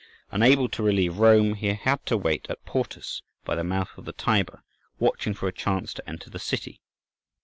Unable to relieve Rome, he had to wait at Portus, by the mouth of the Tiber, watching for a chance to enter the city.